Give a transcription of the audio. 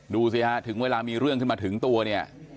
ดูสิฮะถึงเวลามีเรื่องขึ้นมาถึงตัวเนี่ย